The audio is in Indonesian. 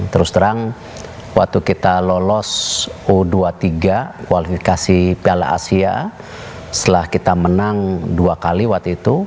terus terang waktu kita lolos u dua puluh tiga kualifikasi piala asia setelah kita menang dua kali waktu itu